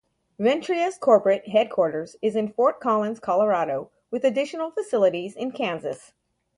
Ventria's corporate headquarters is in Fort Collins, Colorado, with additional facilities in Kansas.